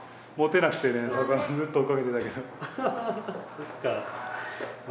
そっかあ